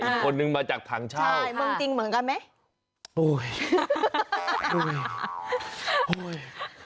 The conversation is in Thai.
อีกคนนึงมาจากถังเช่าใช่มึงจริงเหมือนกันไหมโอ้ย